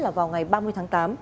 là vào ngày ba mươi tháng tám